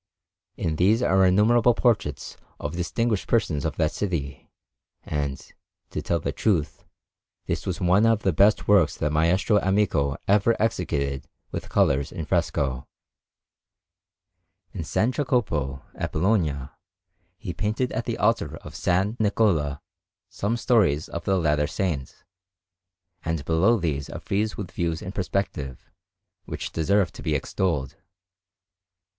In these are innumerable portraits of distinguished persons of that city; and, to tell the truth, this was one of the best works that Maestro Amico ever executed with colours in fresco. In S. Jacopo, at Bologna, he painted at the altar of S. Niccola some stories of the latter Saint, and below these a frieze with views in perspective, which deserve to be extolled.